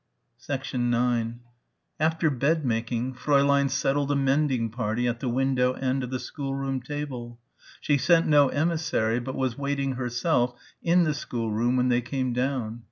9 After bed making, Fräulein settled a mending party at the window end of the schoolroom table. She sent no emissary but was waiting herself in the schoolroom when they came down.